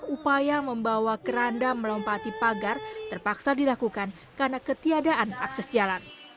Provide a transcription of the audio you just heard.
upaya membawa keranda melompati pagar terpaksa dilakukan karena ketiadaan akses jalan